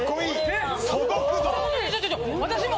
ちょっちょっ私も！